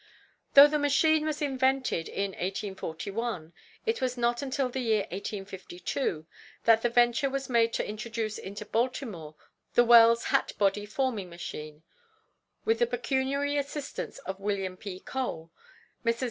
Though the machine was invented in 1841, it was not until the year 1852 that the venture was made to introduce into Baltimore the Wells Hat body Forming Machine. With the pecuniary assistance of Wm. P. Cole, Messrs.